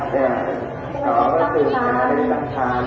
พี่ผมว่ามีปฏิบัติดันไหนบ้าง